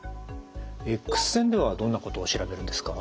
エックス線ではどんなことを調べるんですか？